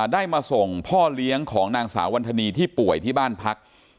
ได้มาส่งพ่อเลี้ยงของนางสาววันธนีที่ป่วยที่บ้านพัก